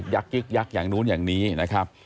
ยึกยักษ์อย่างนู้นอย่างนี้นะครับ